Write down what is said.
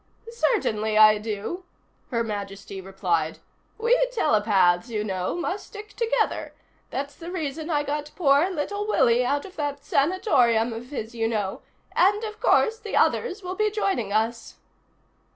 "Certainly I do," Her Majesty replied. "We telepaths, you know, must stick together. That's the reason I got poor little Willie out of that sanatorium of his, you know and, of course, the others will be joining us."